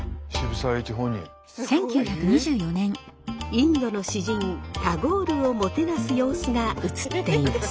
インドの詩人タゴールをもてなす様子が映っています。